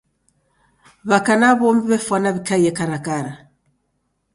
W'aka na w'omi w'efwana w'ikaie karakara.